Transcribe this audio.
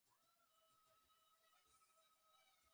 মনে হচ্ছে প্রশিক্ষণ কাজে লেগেই গেল, বাবা।